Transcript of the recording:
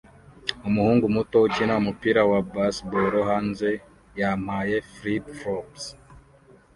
Umuhungu muto ukina umupira wa baseball hanze yambaye flip-flops